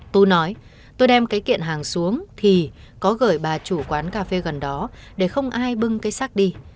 tôi nói tôi đem cái kiện hàng xuống thì có gửi bà chủ quán cà phê gần đó để không ai bưng cây xác đi